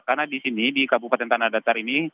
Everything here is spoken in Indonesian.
karena di sini di kabupaten tanah datar ini